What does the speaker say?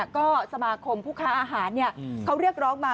ก็สมาคมผู้ค้าอาหารเขาเรียกร้องมา